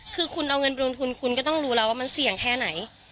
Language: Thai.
คือคุณเอาเงินไปลงทุนคุณก็ต้องรู้แล้วว่ามันเสี่ยงแค่ไหน